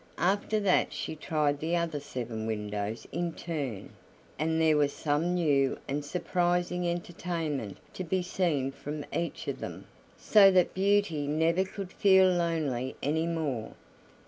After that she tried the other seven windows in turn, and there was some new and surprising entertainment to be seen from each of them, so that Beauty never could feel lonely any more.